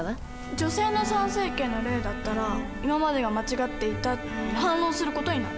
女性の参政権の例だったら今までが間違っていたって反論する事になる。